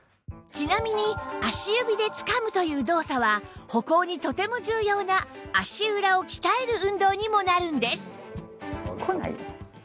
ちなみに足指でつかむという動作は歩行にとても重要な足裏を鍛える運動にもなるんです